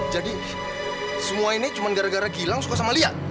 jadi semua ini cuma gara gara gilang suka sama lia